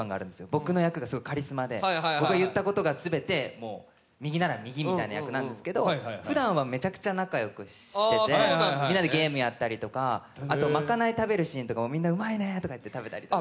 僕の役がカリスマで、僕が言ったことが全て、右なら右、みたいな役なんですけどふだんはめちゃくちゃ仲良くしていてみんなでゲームやったりとか、あと賄い食べるシーンとかみんな、うまいねとか言いながら食べたりとか。